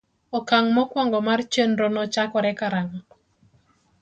Okang' mokwongo mar chenrono chakore karang'o?